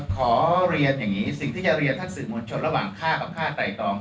ขอเรียนอย่างนี้สิ่งที่จะเรียนท่านสื่อมวลชนระหว่างค่ากับค่าไตรตอง